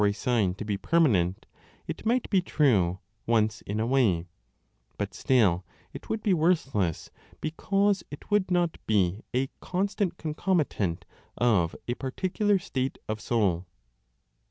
8o6 a PHYSIOGNOMONICA sign to be permanent, it might be true once in a way, but still it would be worthless because it would not be a con stant concomitant of a particular state of soul.